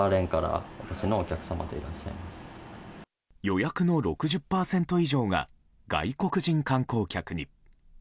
予約の６０％以上が外国人観光客に。